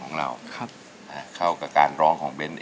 โอ้ทุกคน